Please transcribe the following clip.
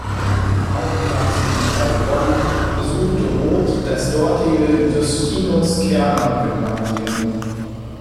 Aufgewachsen in Heilbronn, besuchte Roth das dortige Justinus-Kerner-Gymnasium.